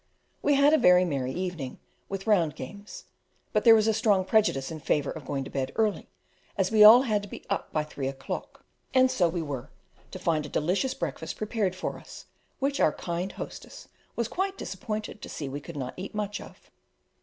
We had a very merry evening, with round games; but there was a strong prejudice in favour of going to bed early, as we all had to be up by three o'clock: and so we were, to find a delicious breakfast prepared for us, which our kind hostess was quite disappointed to see we could not eat much of.